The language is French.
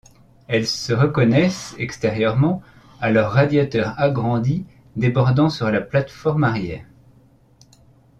Elles se reconnaissent extérieurement à leur radiateur agrandi débordant sur la plate-forme arrière.